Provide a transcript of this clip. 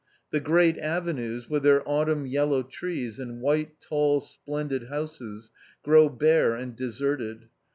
The great avenues, with their autumn yellow trees and white, tall, splendid houses, grow bare and deserted.